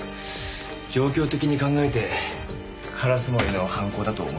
状況的に考えて烏森の犯行だと思いますがね。